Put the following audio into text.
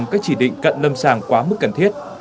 nhưng không có chỉ định cận lâm sàng quá mức cần thiết